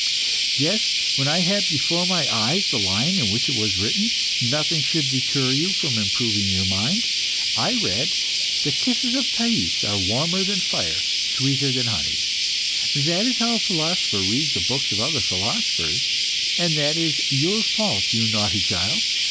"Yes, when I had before my eyes the line in which it was written, 'Nothing should deter you from improving your mind,' I read, 'The kisses of Thais are warmer than fire, and sweeter than honey.' That is how a philosopher reads the books of other philosophers and that is your fault, you naughty child.